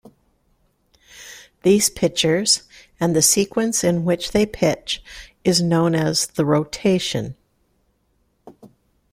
These pitchers, and the sequence in which they pitch, is known as the "rotation".